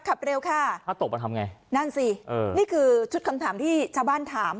ขับเร็วค่ะถ้าตกมาทำไงนั่นสิเออนี่คือชุดคำถามที่ชาวบ้านถาม